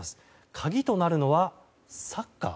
鍵となるのはサッカー。